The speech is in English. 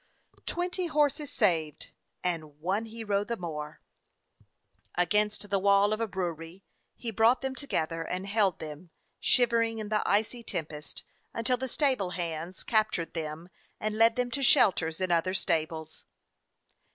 Twenty horses saved and one hero the more! Against the 274 A FIRE DOG OF NEW YORK wall of a brewery he brought them together and held them, shivering in the icy tempest, until the stable hands captured them and led them to shelter in other stables.